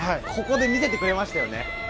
ここで見せてくれましたよね。